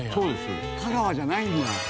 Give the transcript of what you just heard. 香川じゃないんだ。